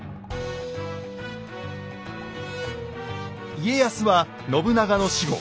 家康は信長の死後